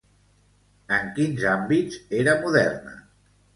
En quins àmbits era moderna?